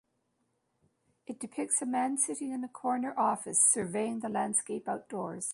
It depicts a man sitting in a corner office surveying the landscape outdoors.